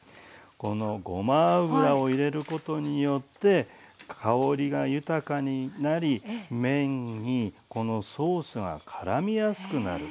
このごま油を入れることによって香りが豊かになり麺にこのソースがからみやすくなる。